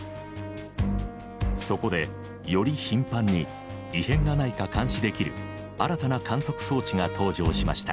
そこでより頻繁に異変がないか監視できる新たな観測装置が登場しました。